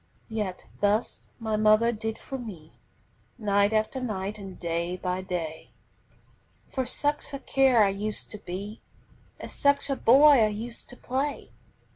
Yet thus my mother did for me, Night after night and day by day, For such a care I used to be, As such a boy I used to play.